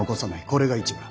これが一番。